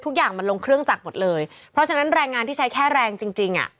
ทุกอย่างมันลงเครื่องจักรหมดเลยเพราะฉะนั้นแรงงานที่ใช้แค่แรงจริงจริงอ่ะ